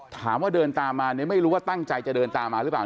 ถามว่าเดินตามมาเนี่ยไม่รู้ว่าตั้งใจจะเดินตามมาหรือเปล่า